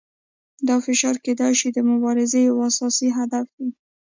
دا فشار کیدای شي د مبارزې یو اساسي هدف وي.